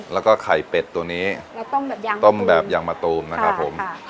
แล้วก็ไข่เป็ดตัวนี้แล้วต้มแบบยางมะตูมต้มแบบยางมะตูมนะครับผมค่ะค่ะ